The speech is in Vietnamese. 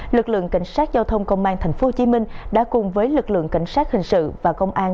lực lượng cảnh sát giao thông công an tp hcm đã cùng với lực lượng cảnh sát hình sự và công an